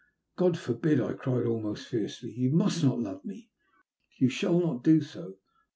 " God forbid I " I cried, almost fiercely. " You must not love me. You shall not do so.